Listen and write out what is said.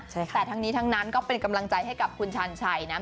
แต่ทั้งนี้ทั้งนั้นก็เป็นกำลังใจให้กับคุณชาญชัยนะ